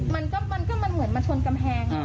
มันก็เหมือนมันชนกำแพง